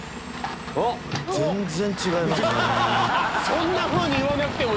そんなふうに言わなくても。